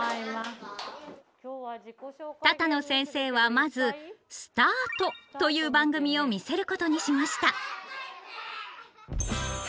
多々納先生はまず「すたあと」という番組を見せることにしました。